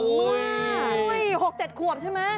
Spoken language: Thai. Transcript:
อุ้ยหกเจ็ดขวบใช่ไหม